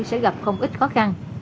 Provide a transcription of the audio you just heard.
sẽ gặp không ít khó khăn